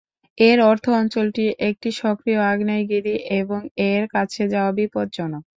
এর অর্থ অঞ্চলটি একটি সক্রিয় আগ্নেয়গিরি এবং এর কাছে যাওয়া বিপজ্জনক।